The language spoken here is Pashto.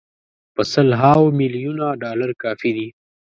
په سل هاوو میلیونه ډالر کافي دي.